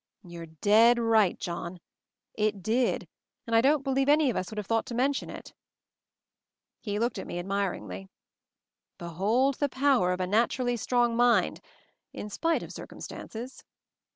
"You're dead right, John — it did, and I don't believe MOVING THE MOUNTAIN 179 any of us would have thought to mention it." He looked at me admiringly. "Behold the power of a naturally strong mind — in spite of circumstances!